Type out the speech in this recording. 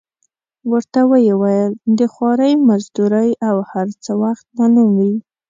ورته ویې ویل: د خوارۍ مزدورۍ او هر څه وخت معلوم وي.